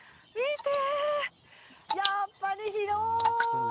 やっぱり広い！